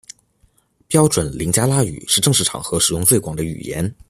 标准林加拉语是正式场合使用最广的语言。